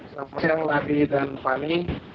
selamat siang lady dan fani